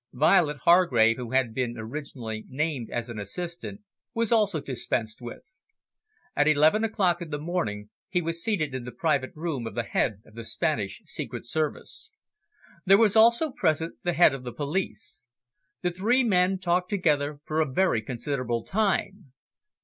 Violet Hargrave, who had been originally named as an assistant, was also dispensed with. At eleven o'clock in the morning, he was seated in the private room of the Head of the Spanish Secret Service. There was also present the Head of the Police. The three men talked together for a very considerable time.